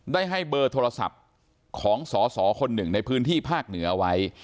ได้ให้เบอร์โทรศัพท์ของสอสอคนหนึ่งในพื้นที่ภาคเหนือไว้